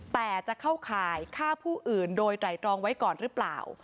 แต่จะเข้าข่ายฆ่าผู้อื่นโดยไตรตรองไว้ก่อนหรือเปล่า